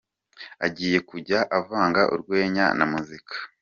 Ajyiye kujya avanga urwenya na muzika.